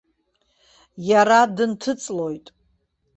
Иара дынҭыҵлоит!